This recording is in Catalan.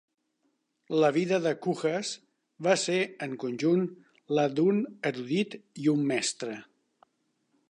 La vida de Cujas va ser en conjunt la d'un erudit i un mestre.